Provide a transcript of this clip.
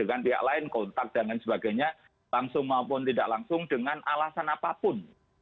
dengan pihak lain kontak dengan sebagainya langsung maupun tidak langsung dengan alasan apapun